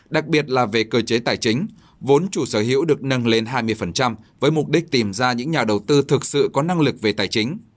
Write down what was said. đặc biệt là về cơ chế tài chính vốn chủ sở hữu được nâng lên hai mươi với mục đích tìm ra những nhà đầu tư thực sự có năng lực về tài chính